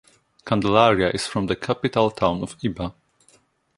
Candelaria is from the capital town of Iba.